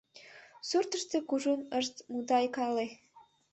Суртышто кужун ышт мутайкале.